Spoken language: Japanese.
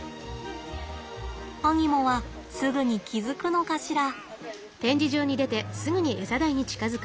アニモはすぐに気付くのかしら？